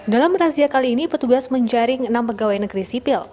dalam razia kali ini petugas menjaring enam pegawai negeri sipil